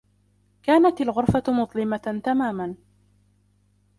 كانت الغرفة مظلمة تماما.